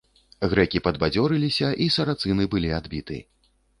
Грэкі падбадзёрыліся, і сарацыны былі адбіты.